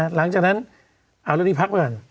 หลังจากนั้นเอาเรื่องนี้พักไว้ก่อน